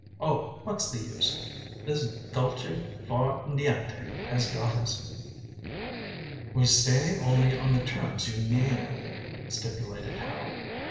"Oh, what's the use? This dolce far niente has got us." "We stay only on the terms you name," stipulated Howe.